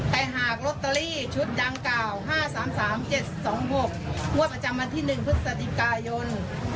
แต่หากลอตเตอรี่ชุดดังกล่าว๕๓๓๗๒๖งวดประจำวันที่๑พฤศจิกายน